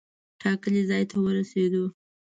ټاکلي ځای ته ورسېدو.